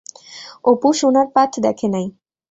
অপু সোনার পাত দেখে নাই।